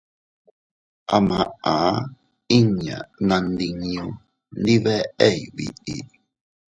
A maʼa inña naandinñu ndibeʼey biʼi.